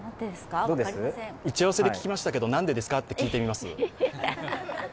打ち合わせで聞きましたけど、「なんでですか？」と聞いてみます。